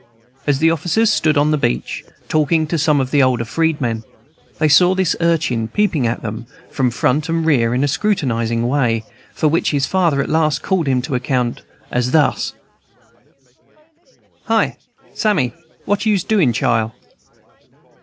As the officers stood on the beach, talking to some of the older freedmen, they saw this urchin peeping at them from front and rear in a scrutinizing way, for which his father at last called him to account, as thus: "Hi! Sammy, what you's doin', chile?"